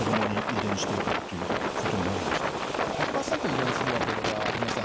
１００％遺伝するわけではありません。